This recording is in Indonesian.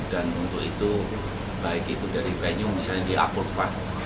dan untuk itu baik itu dari venue misalnya di da'apurva